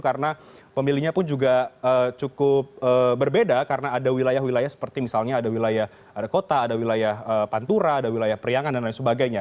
karena pemilihnya pun juga cukup berbeda karena ada wilayah wilayah seperti misalnya ada wilayah kota ada wilayah pantura ada wilayah periangan dan lain sebagainya